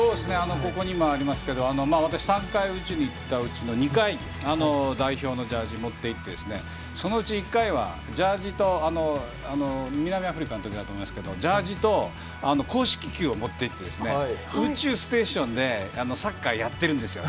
ここにもありますが私３回宇宙に行ったうちの２回、代表のジャージーを持っていってそのうち１回は南アフリカの時だと思いますけどジャージーと公式球を持っていって宇宙ステーションでサッカーをやっているんですよ。